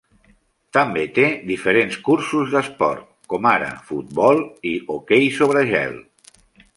També té diferents cursos d'esport, com ara futbol i hoquei sobre gel.